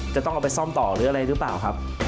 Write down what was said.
จะต้องเอาไปซ่อมต่อหรืออะไรหรือเปล่าครับ